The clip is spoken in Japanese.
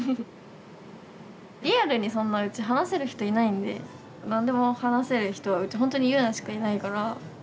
リアルにそんなうち話せる人いないんで何でも話せる人はうちほんとにゆうなしかいないから。